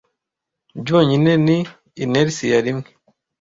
Byonyine. Ni inertia rimwe